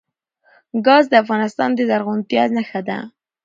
ګاز د افغانستان د زرغونتیا نښه ده.